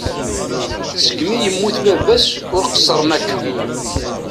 Segmi i yemmut baba-s ur qesren akka.